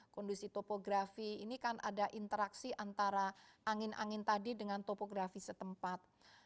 kondisi topografi ini kan ada interaksi antara angin angin tadi dengan topografi setempat